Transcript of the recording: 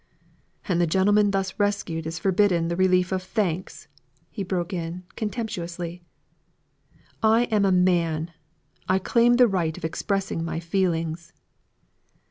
"And the gentleman thus rescued is forbidden the relief of thanks!" he broke in contemptuously. "I am a man. I claim the right of expressing my feelings."